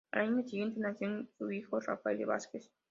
Al año siguiente nació su hijo Rafael Vázquez.